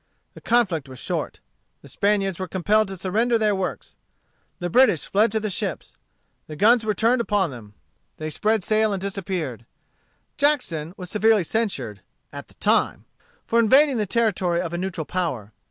The conflict was short. The Spaniards were compelled to surrender their works. The British fled to the ships. The guns were turned upon them. They spread sail and disappeared. Jackson was severely censured, at the time, for invading the territory of a neutral power.